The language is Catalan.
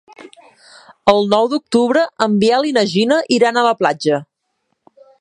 El nou d'octubre en Biel i na Gina iran a la platja.